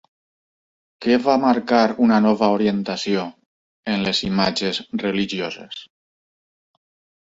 Què va marcar una nova orientació en les imatges religioses?